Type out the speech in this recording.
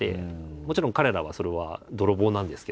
もちろん彼らはそれは泥棒なんですけど。